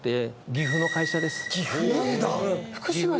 岐阜。